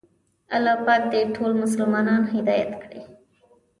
الله پاک دې ټول مسلمانان هدایت کړي.